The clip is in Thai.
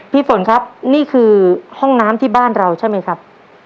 ฝนครับนี่คือห้องน้ำที่บ้านเราใช่ไหมครับ